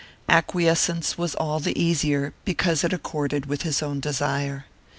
Acquiescence was all the easier because it accorded with his own desire.